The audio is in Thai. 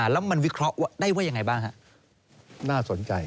แล้วมันวิเคราะห์ได้ว่ายังไงบ้างน่าสนใจ